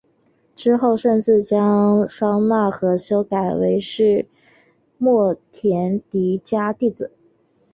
之后甚至将商那和修改成是末田底迦弟子。